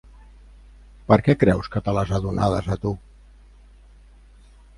Per què creus que te les ha donades a tu?